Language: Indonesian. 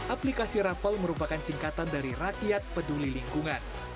aplikasi rapel merupakan singkatan dari rakyat peduli lingkungan